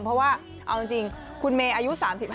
เพราะว่าเอาจริงคุณเมย์อายุ๓๕